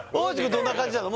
どんな感じなの？